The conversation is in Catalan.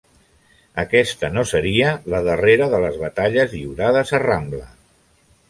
Aquesta no seria la darrera de les batalles lliurades a Ramla.